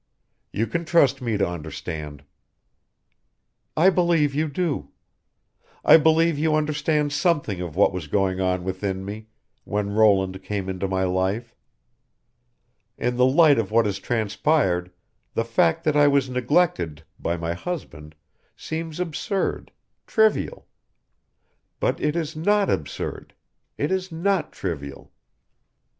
"You can trust me to understand." "I believe you do. I believe you understand something of what was going on within me when Roland came into my life. In the light of what has transpired, the fact that I was neglected by my husband seems absurd trivial. But it is not absurd it is not trivial!